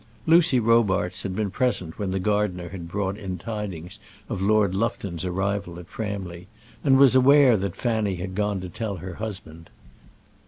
Lucy Robarts had been present when the gardener brought in tidings of Lord Lufton's arrival at Framley, and was aware that Fanny had gone to tell her husband.